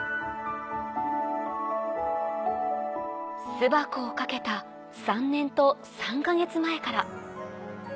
巣箱をかけた３年と３か月前から。